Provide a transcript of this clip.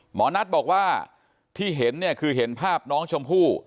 หมอนัทบอกว่าที่เห็นเนี่ยคือเห็นภาพน้องชมพู่